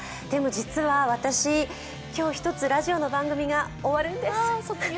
でも、実は今日１つ、ラジオの番組が終わるんです。